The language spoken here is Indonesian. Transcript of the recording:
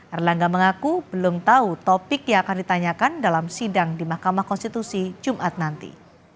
erlangga mengaku belum tahu topik yang akan ditanyakan dalam sidang di mahkamah konstitusi jumat nanti